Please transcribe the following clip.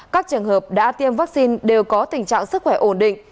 các trường hợp đã tiêm vaccine đều có tình trạng sức khỏe ổn định